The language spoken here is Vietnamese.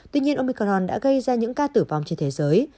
tuy nhiên omicron đã gây ra những ca tử vong trên thế giới